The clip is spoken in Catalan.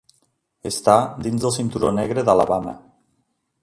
Està dins del Cinturó Negre d'Alabama.